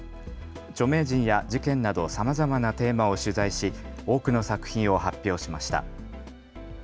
著名人や事件などさまざまなテーマを取材し多くの作品を発表しました。